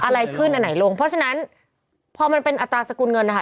อะไรขึ้นอันไหนลงเพราะฉะนั้นพอมันเป็นอัตราสกุลเงินนะคะ